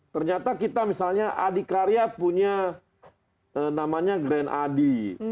ternyata kita misalnya adikarya punya namanya grand adi